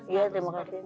iya terima kasih mak